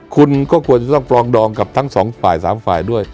คุณก็ควรจะต้องปรองดองกับทั้งสองฝ่ายสามฝ่ายด้วย